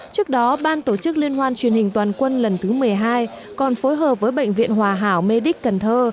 trước đó ban tổ chức liên hoan truyền hình toàn quân lần thứ một mươi hai còn phối hợp với bệnh viện hòa hảo mê đích cần thơ